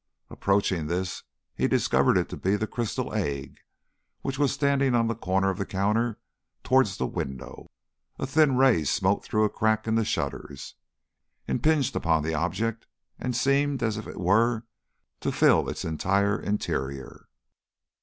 Approaching this, he discovered it to be the crystal egg, which was standing on the corner of the counter towards the window. A thin ray smote through a crack in the shutters, impinged upon the object, and seemed as it were to fill its entire interior.